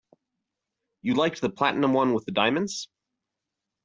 You liked the platinum one with the diamonds.